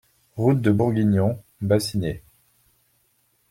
Route de Bourguignon, Bassigney